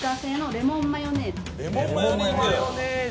レモンマヨネーズ。